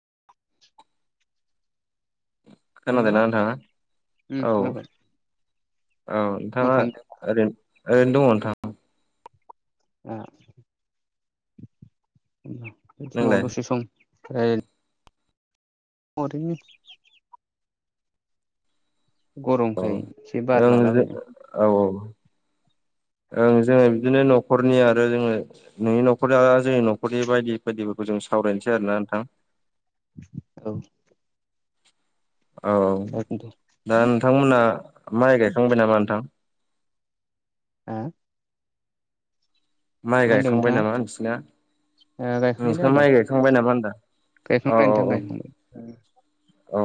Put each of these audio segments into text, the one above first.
[unintelligible] Hello खोनादोंना नोंथाङा? उम औ खोनाबाय औ मा नोंथाङा खालामदों ओरैयनो ओरैनो दङ नोंथां। [unintelligible] नंगौ बे समाव नोंलाय दसे सम रायल [unintelligible] औ गरमखाय एसे बार ओं लालाबायदों। औ औ ओं जोङो बिदिनो न'खरनि आरो जोङो नोंनि न'खरया जोंनि न'खरनि बायदि बायदिफोरखौ जों सावरायनोसै आरो ना नोंथां। औ। औ औ जागोन दे दा नोंथांमोना माइ गायखांबाय नामा नोंथां? आ? माइ मा होनदों गायखांबाय नोंथाङा नामा नोंसिना? ओ गायखांबायलै नोंस्रा आदा माइ गायखांबाय नामा होन्दां? औ गायखांबाय औ नोंथां गायखांबाय औ। औ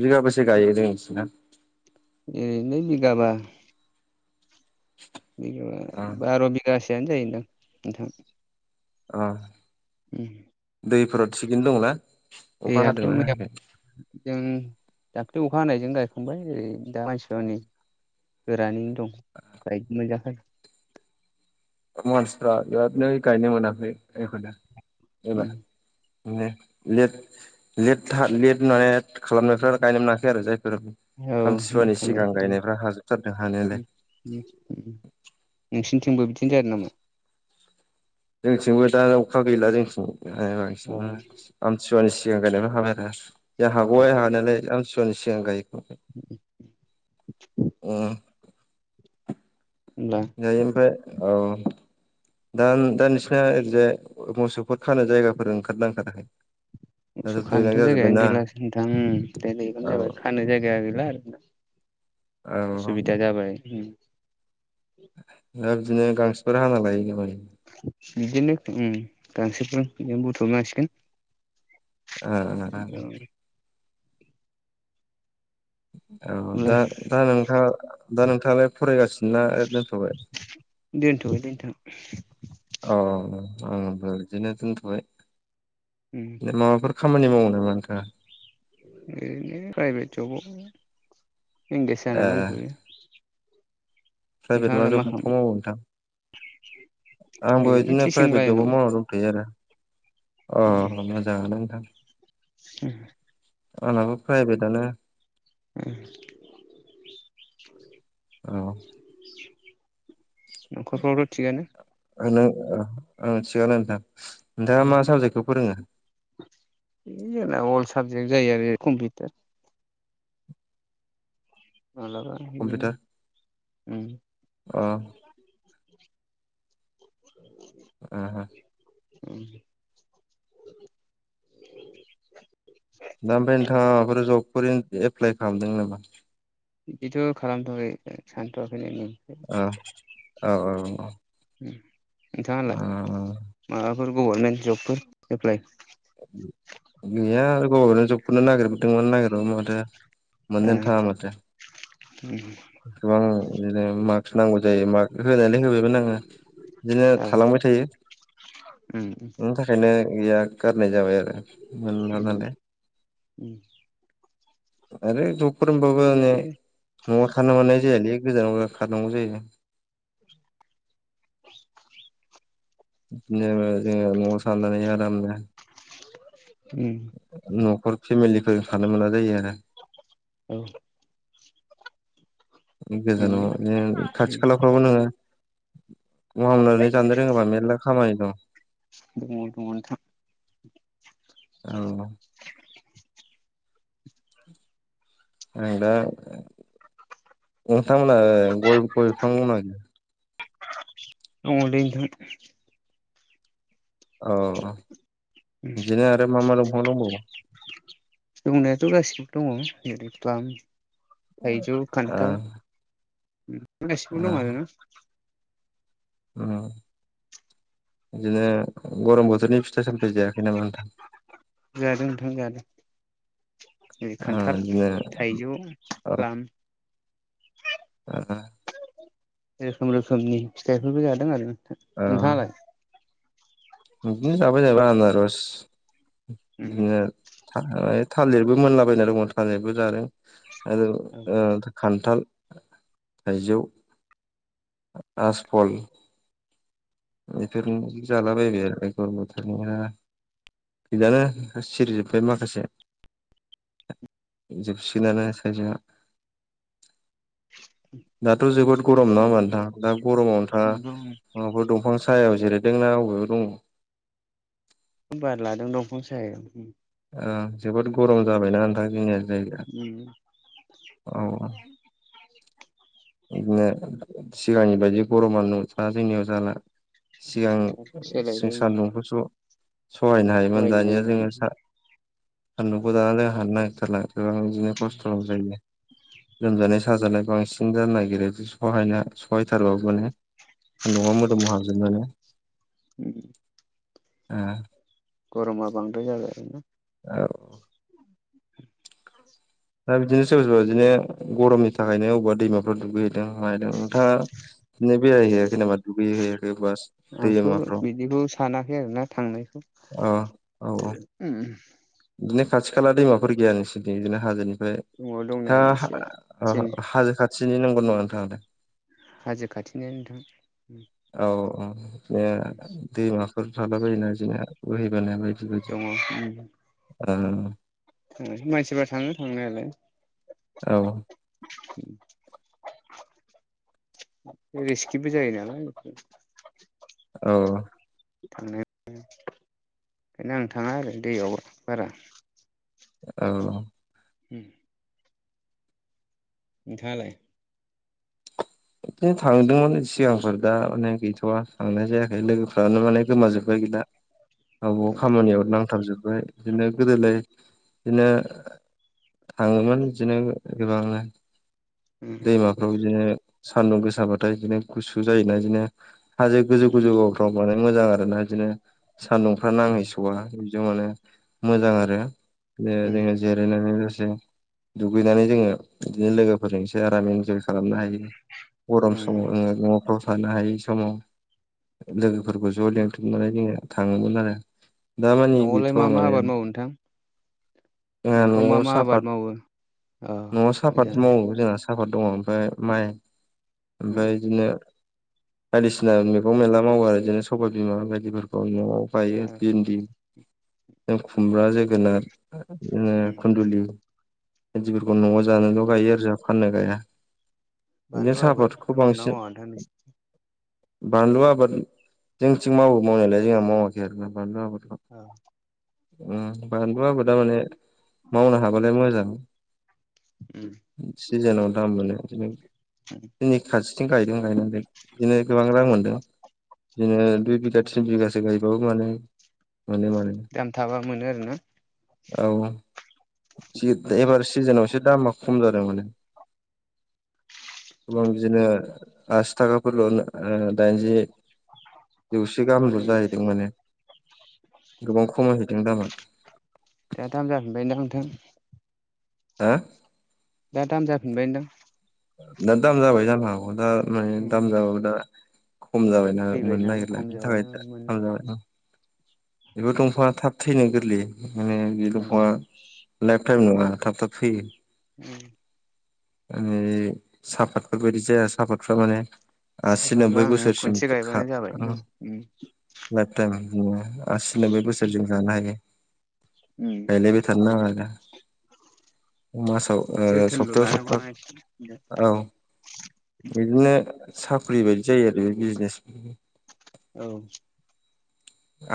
बिगाबौसे गायो जों नोंसोरना? ओरैनो बिगाबा। अ बिगाबा बार' बिगासेयानो जायोदां नोंथां। अ। उम। दैफोराव थिगैनो दंना? अखा एयाथ' हादोंना मोया हायाखै जों दाख्लै अखा हानायजों गायखांबाय ओरै दा [unintelligible] हनै गोरानैनो दं बायदि [unintelligible] मानसिफ्रा बिरादनो गायनो मोनाखै बेखौनो उम एबार। बिदिनो लेट लेट था लेट माने खालामनायफोरा गायनो मोनाखै आरो जायफोर औ आमथिसुवानि सिगां गायनायफ्रा हाजोबथारदों हानायालाय। [unintelligible] नोंसिनिथिंबो बिदिनो जादों नामा? जोंथिंबो दा अखा गैला जोंथिं [unintelligible] अ आमथिुवानि सिगां गायनायबो हाबाय आरो जों हागबाय हानायालाय आमसुवानि सिगां गायखांनाय। [unintelligible] अ। होनब्ला जायो ओमफ्राय औ दा दा नोंसिना ओरैजाय मोसौफोर खानो जायगाफोर ओंखारदों ना ओँखाराखै? मोसौ खानोथ' जायगायानो गौलासो नोंथां दैलां औ जाबाय खानो जायगाया गैला आरो ना औ उसुबिदा जाबाय उम। दा बिदिनो गांसोफोर हाला बायो ना मायो? बिदिनो उम गांसोफोर बिदिनो बुथुमनांसिगोन। आ। औ औ अब्ला दा दा नोंथाङा दा नोंथाङालाय फरायगासिनो ना दोनथ'बाय? दोनथ'बाय दै नोंथां। औ औ आंबो बिदिनो दोनथ'बाय। उम। माबाफोर खामानि मावो नामा नोंथाङा? ओरैनो प्राइभेट जबाव इंगेेज ए जाना दंथ'यो। प्राइभेट मा नोंथाङालाय जबखौ खालामो मावो नोंथां? आंबो ओरैनो बिदिनो टिचिं प्राइभेट जबाव लाइनाव मावना दंथ'यो आरो। अ' मोजाङानो नोंथां आंनाबो प्राइभेटआनो। औ [inaudible] न'खरफ्रावथ' थिगआनो? [unintelligible] ओ आंना थिगानो नोंथां नोंथाङा मा साबजेक्टखौ फोरोङो? [unintelligible] आंना अल साबजेक्ट जायो आरो कम्पिउटार। मालाबा बिदिनो कम्पिउटार उम। अ'। [inaudible] ओ हो उम। दा ओमफाय नोंथाङा माबाफोर जबफोर एप्लाइ खालामदों नामा? बिदिथ' खालामथ'वाखै ओ सानथ'वाखैनो ओं ओ औ औ औ। उम नोंथाङालाय औ माबाफोर गभारमेन्ट जबफोर एप्लाइ। गैया आरो गभरमेन्ट जबखौनो नागिर दोंमोन नागिरबाबो माथो ओ मोननोनो थाङा माथो। गोबां बिदिनो मास्क नांगौ जायो माक्स [unintelligible] होबायमोन आङो बिदिनो औ थालांबाय थायो उम बिनि थाखायनो गैया। गारनाय जाबाय आरो मोनला उम नालाय। उम आरो जबफोर होनबाबो आंङो। दे न'आव खारनो मोननाय जायालै गोजानाव खारनांगौ जायो। बिदिनो जोङो न'आव साननानै आरामनो। उम न'खर फेमिलिफोरजों थानो मोना जायो आरो। औ। गोजानाव मोनगोन बि खाथि खालाफ्रावबो नोङो। मावनानै जानो रोङोबा मेर्ला खामानि दं। दङ दङ नोंथां। औ। आं दा नोंथांमोनहा गय गय बिफां दंना गैया। दङ लै नोंथां। औ बिदिनो आरो मा मा दंफां दंबावो। दंनायाथ' गासिबो दङ [unintelligible] थायजौ ओ खान्थाल गासिबो ओ दं आरोना। उम बिदिनो गरम बोथोरनि फिथाइ सामथाइ जायाखै नामा नोंथां। जादों नोंथां जादों। जेरै ओ खान्थाल बिदिनो थाइजौ प्लाम। ओ ओ। रोखोम रोखोमनि फिथाइफोरबो जादों आरो नोंथां ओ नोंथाङालाय। बिदिनो जाबाय जाहैबाय आनारस उम बिदिनो। आ थालिरबो मोनलाबायना दङ थालिरबो जादों आरो औ ओ ओ खान्थाल, थाइजौ, राजफल बेफोरनो जालाबायबाय आरो गरम बोथोरनिया बिदिनो सिरिजोब्बाय माखासे। जोबसिगोन आनो थारजौआ। दाथ' जोबोद गरम नङा होनबा नोथां दा गरमाव नोंथां आं नंगौ माबाफोर दंफां सायाव जिरायदोंना आबेयाव दङ? बार लादों दंफां सायाव। ओ जोबोद गरम जाबायना नोंथां जोंनिया जायगाया। उम औ बिदिनो सिगांनि बायदि गरमा नोंथाङा जोंनियाव जाला। सिगां जों सोलायबाय सान्दुंखौसो सहायनो हायोमोन फरायनो दानिया जोङो हायोमोन सा नदुंखौ दाना जों हानो नागिरथारला गोबां बिदिनो खस्थ' जायो। लोमजानाय साजानाय बांसिन जानो नागिरो सहायना सहायथारबाबो माने सान्दुंआ मोदोम हाजोनानै उम ओ गरमा बांद्राय जाबाय आरोना। औ दा बिदिनो सोरबा सोरबा बिदिनो गरमनि थाखायनो अबेबा दैमाफोराव दुगैयो। [unintelligible] नोथाङा बिदिनो बेरायहैयाखै नामा दुगैैहैयाखै बास आंथ' दैमाफ्राव बिदिखौ सानाखै आरोना थांनायखौ। अ औ औ बिदिनो खाथि खाला दैमाफोर गैया नोंसोर बिदिनो हाजोनिफ्राय दंनायालाय नोंथाङा एसे हा जोंनि ओ हाजो खाथिनि नांगौ नङा नोंथाङालाय? हाजो खाथिनियानो नोंथां। औ औ बिदि दैमाफोर थाला बायोना बिदिनो बोहैबानाय बायदि बायदि। [inaudible] उ उ मानसिफ्रा थाङो थांनायालाय। औ [inaudible] रिस्किबो जायोनालाय एकदम। औ थांनाय ओखायनो आं थाङा आरो दैयाव बारा। औ उम नोंथाङालाय? बिदिनो थांदोंमोन सिगांफोर दा माने गैथआ थांनाय जायाखै लोगोफ्रानो माने गोमाजो बाय गैला गावबा गाव खामानियाव नांथाबजोब्बाय। बिदिनो गोदोलाय बिदिनो थाङोमोन बिदिनो गोबांनो। औ दैमाफ्राव बिदिनो सान्दुं गोसाबाथाय बिदिनो गुसु जायोना बिदिनो हाजो गोजौ गोजौफोराव बानायनो मोजां आरोना बिदिनो सान्दुंफ्रा नांहैस'आ। जों माने मोजां आरो बे जोङो जिरायनानै लोगोसे दुगैनानै जोङो बिदिनो लोगोफोरजोंसो आराम इन्जय खालामनो हायो। गरम समाव ओं न'फ्राव थानो हायै समाव लोगोफोरखौ ज' लिंथुमनानै जोङो थाङोमोन आरो। दामानि न'आवलाय गैथ'वा मा [unintelligible] मा जोंहा आबाद मावो नोंथां न'फ्राव मा न'आव मा आबाद साफात मावो अ न'आव साफात मोजां मावो जोंहा। सापाद ओमफ्राय माइ ओमफाय इदिनो बायदिसिना मैगं मेला मावो आरो इदिनो सबाइ बिमा बायदिफोरखौ न'आव गायो भिन्दि खुमब्रा जोगोनार इदिनो खुनन्दुलि। बायदिफोरखौ न'आव जानोल' गायो आरो जाहा फाननो गाया। बिदिनो बानलु साहा आबादखौ आबादफोरखौ मावोना बांसिन मावा नोंथां नोंसि बानलु आबाद जोंथिं मावो मावनायालाय जोंहा मावाखै आरोना बानलु आबादखौ। नोंसि ओं बानलु आबादा माने मावनो हाबालाय मोजां। उम। सिजोनाव दाम मोनो बिदिनो। जोंनि खाथिथिं गायदों गायनायालाइ बिदिनो गोबां रां मोन्दों। बिदिनो दुइ बिघा थिन बिगासो गायबाबो माने मोनो माने दाम थाबा मोनो आरोना औ। सि एबार सिजोनाव एससे दामा खम जादों माने। औ इदिनो आसि थाखाफोरल'नो ओ दाइनजि जौसे गाहामल' उम जाहैदों माने गोबां खमायहैदों दामा। दा दाम जाफिनबाय ना नोंथां? हा? दा दाम जाफिनबायनदां। दा दाम जाबाय जानो हागौ दा माने उम दाम जाबाबो दा खम जाबायना मोननो थैबायना नागिरला खम बेनि जाबाय थाखायनो दा दाम मोनला जाबायदां। बेबो दंफाङा थाब थैनो गोरलै माने बे उम दंफाङा उम लाइफ टाइम नङा थाब थाब थैयो। [unintelligible] माने सापातफोर बायदि जाया सापातफ्रा माने आसि साफातखौ नोबबै आं बोसोरसिम खनसे गायबानो जाबाय [unintelligible] न उम लाइफ टाइम बिदिनो आसि नोबै बोसोरजों जानो हायो। उम गायलायबाय थानो नाङा आरो मासाव ओ जोथोनल' सप्तायाव सप्ता लानांगौना एसे औ इदिनो साख्रि बायदि जायो आरो बे बिजनेस औ।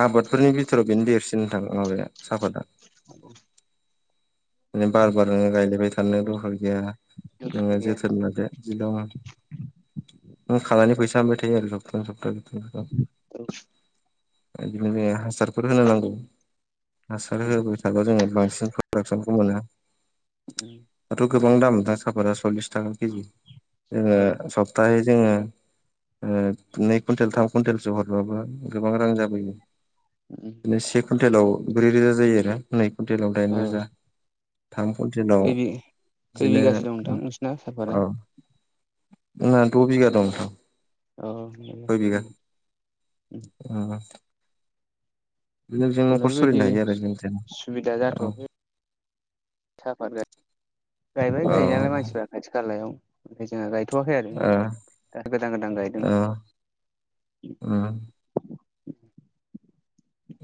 आबादफोरनि बिथोराव बेनो देरसिन दां माबाया साफादा। माने बार बार नोङो गायलायबाय थानो दखार गैया दरखार नोङो गैया जोथोन लादो बिदिल' नों खानानै फैसा मोनबाय थायो आरो सपतायै सपता [unintelligible] बिदिनो जोङो हासारफोर होनो नांगौ हासार उम होबाय थाबा जोङो बांसिन फ प्रदाकसनखौ मोनो। उम। दाथ' गोबां दाम दा साफाता सल्लिस थाखा केजि जोङो औ सब प्राय जोङो ओ नै कुवन्टेल थाम कुइन्टेलसो हरबाबो गोबां रां जाबोयो उम बिदिनो से कुइन्टेलाव ब्रै रोजा जायो आरो। नै कुटेलाव औ दायन रोजा। थाम कुनतेलाव खै बि खै बिदिनो बिगासो दं नोंथां नोंसिना साफाता औ जोंना द' बिगा दं नोंथां। औ नंगौ उम। उम ओ ओ बिजोंनो जोंना न'खर बेबायदि सोलिनो हायो आरो जेनथेन सुबिदा औ। साहाफात गायबाय गायो नालाय मानसिफ्रा खाथि खालायाव। ओमफ्राय जोंहा गायथ'वाखै आरोना औ दा गोदान गोदान गायदों। उम।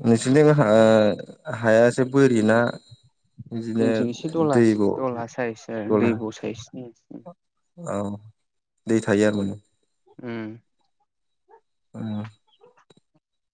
नोंसोरनिथिं ओ हाया एसे बोरि ना बिदिनो जोंथिं एसे दला दैब दला साइस आरो दलहा? दैब' साइस उम औ दै थायो आरो माने। उम। [unintelligible]